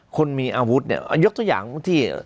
คนมีอาวุธเนี่ยยกตัวอย่างที่